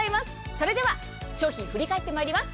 それでは商品を振り返ってまいります。